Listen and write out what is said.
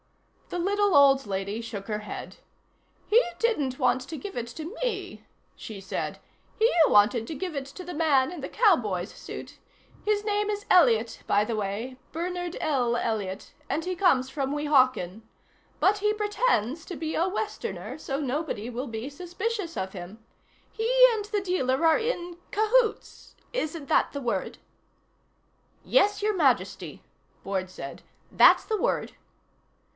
The little old lady shook her head. "He didn't want to give it to me," she said. "He wanted to give it to the man in the cowboy's suit. His name is Elliott, by the way Bernard L. Elliott. And he comes from Weehawken. But he pretends to be a Westerner so nobody will be suspicious of him. He and the dealer are in cahoots isn't that the word?" "Yes, Your Majesty," Boyd said. "That's the word."